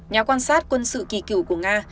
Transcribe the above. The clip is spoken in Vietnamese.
nhà quan sát quân sự kỳ cửu của nga